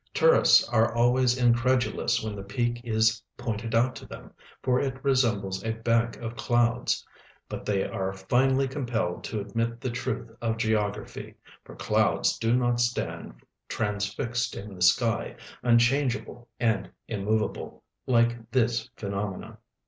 Tourists are always incredulous when the peak is pointed out to them, for it resemliles a hank of clouds, Imt they are finally compelled to admit the truth of geogra]>hy, for clouds do not stand transfixed in the sky, unchangealile and immovalile, like this phenomenon.